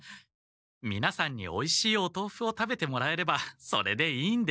みなさんにおいしいお豆腐を食べてもらえればそれでいいんですよ。